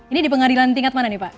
ini di pengadilan tingkat mana nih pak